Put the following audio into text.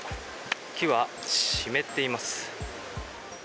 木は湿っています。